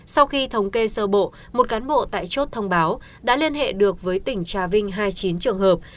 sau khi thống kê sơ bộ một cán bộ tại chốt thông báo đã liên hệ được với tỉnh trà vinh hai mươi chín trường hợp